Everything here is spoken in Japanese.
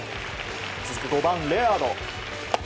続く５番レアード。